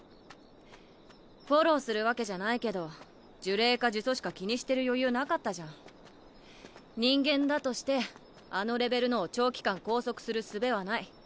フォローするわけじゃないけど呪霊か呪詛師か気にしてる余裕なかったじゃん。人間だとしてあのレベルのを長期間拘束する術はない。